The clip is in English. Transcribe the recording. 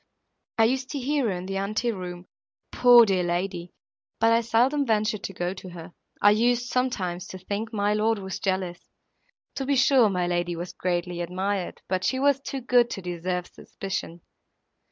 I used to hear her in the ante room, poor dear lady! but I seldom ventured to go to her. I used, sometimes, to think my lord was jealous. To be sure my lady was greatly admired, but she was too good to deserve suspicion.